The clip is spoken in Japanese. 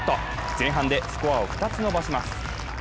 前半でスコアを２つ伸ばします。